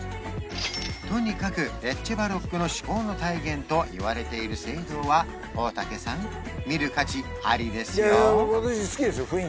とにかくレッチェバロックの趣向の体現といわれている聖堂は大竹さん見る価値ありですよ